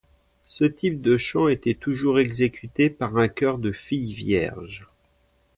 Ce type de chant était toujours exécuté par un chœur de filles vierges.